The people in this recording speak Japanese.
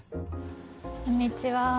こんにちは。